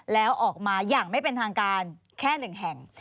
แล้วออกมาอย่างไม่เป็นทางการแค่๑แห่ง